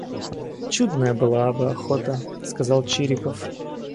Чудная была бы охота, — сказал Чириков.